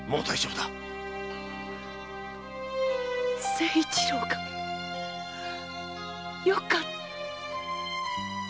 清一郎がよかった。